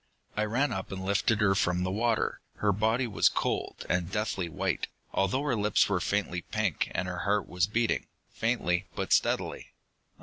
"I ran up and lifted her from the water. Her body was cold, and deathly white, although her lips were faintly pink, and her heart was beating, faintly but steadily.